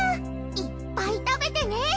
いっぱい食べてね！